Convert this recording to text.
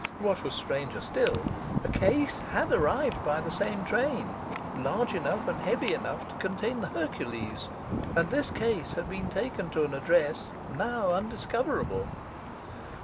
What was stranger still, a case had arrived by the same train, large enough and heavy enough to contain the Hercules; and this case had been taken to an address now undiscoverable.